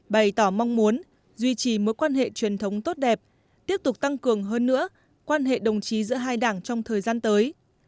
bày tỏ mong muốn duy trì mối quan hệ truyền thống tốt đẹp tiếp tục tăng cường hơn nữa quan hệ đồng chí giữa hai đảng trong thời gian tới